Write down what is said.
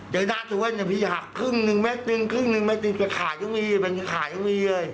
เดี๋ยวน่าจะเว่นถ้าครึ่ง๑เมตรขาดไม่ได้